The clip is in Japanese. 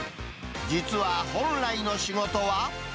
実は本来の仕事は。